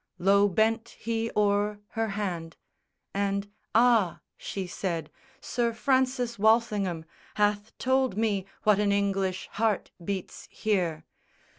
Low bent he o'er her hand; And "Ah," she said, "Sir Francis Walsingham Hath told me what an English heart beats here!